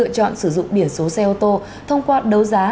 chọn sử dụng biển số xe ô tô thông qua đấu giá